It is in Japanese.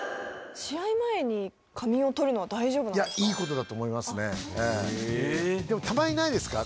試合前に仮眠をとるのは大丈夫なんですか？